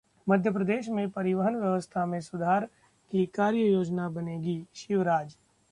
मध्यप्रदेश में परिवहन व्यवस्था में सुधार की कार्ययोजना बनेगी: शिवराज